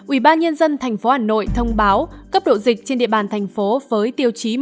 ubnd tp hà nội thông báo cấp độ dịch trên địa bàn tp với tiêu chí một